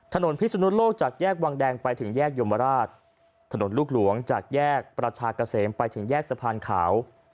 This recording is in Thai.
พิศนุโลกจากแยกวังแดงไปถึงแยกยมราชถนนลูกหลวงจากแยกประชากะเสมไปถึงแยกสะพานขาว